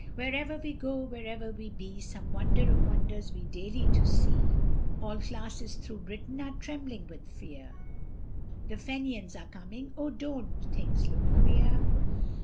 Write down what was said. Wherever we go, wherever we be, Some wonder of wonders we daily do see; All classes through Britain are trembling with fear, The Fenians are coming, oh, don't things look queer?